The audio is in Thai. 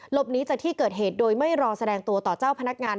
หนีจากที่เกิดเหตุโดยไม่รอแสดงตัวต่อเจ้าพนักงาน